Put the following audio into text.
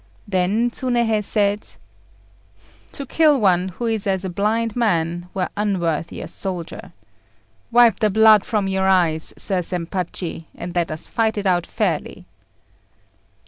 Then Tsunéhei said "To kill one who is as a blind man were unworthy a soldier. Wipe the blood from your eyes, Sir Zempachi, and let us fight it out fairly."